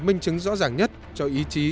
chính chứng rõ ràng nhất cho ý chí